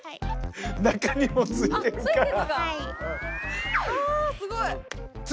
中にもついてるから。